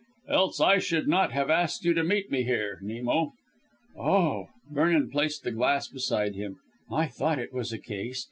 "Else I should not have asked you to meet me here Nemo." "Oh!" Vernon placed the glass beside him. "I thought it was a Case.